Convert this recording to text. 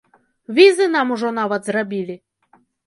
Візы нам ужо нават зрабілі.